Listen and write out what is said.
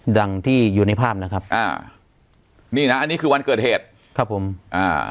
ดังที่อยู่ในภาพนะครับอ่านี่นะอันนี้คือวันเกิดเหตุครับผมอ่า